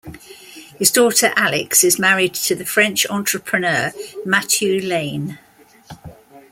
His daughter Alix is married to the French entrepreneur Mathieu Laine.